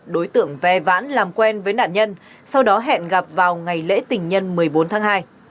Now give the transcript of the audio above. đối tượng ve vãn làm quen với nạn nhân sau đó hẹn gặp vào ngày lễ tình nhân một mươi bốn tháng hai